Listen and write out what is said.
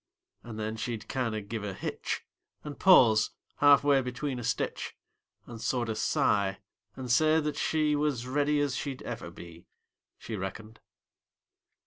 And then she'd kinder give a hitch, And pause half way between a stitch, And sorter sigh, and say that she Was ready as she'd ever be, She reckoned.